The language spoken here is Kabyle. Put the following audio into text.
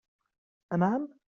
AnƐam?